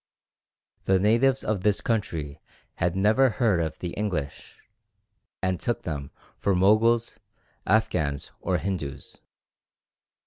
The natives of this country had never heard of the English, and took them for Moguls, Afghans, or Hindus.